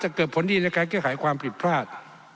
เกิดผลดีในการแก้ไขความผิดพลาด